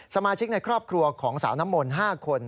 สมาชิกในครอบครัวของสาวน้ำมนต์๕คน